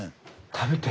食べて？